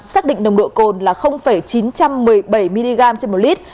xác định nồng độ cồn là chín trăm một mươi bảy mg trên một lít